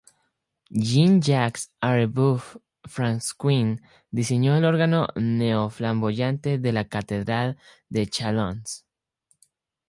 Jean-Jacques Arveuf-Fransquin diseñó el órgano neo-flamboyante de la Catedral de Châlons.